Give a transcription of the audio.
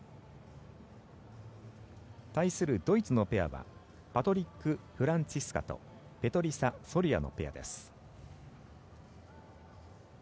対するドイツのペアはパトリック・フランツィスカとペトリサ・ソルヤのペアです。